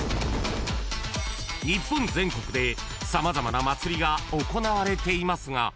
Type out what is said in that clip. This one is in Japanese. ［日本全国で様々な祭りが行われていますが］